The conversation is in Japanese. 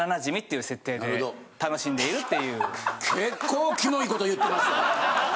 結構キモいこと言ってますよ。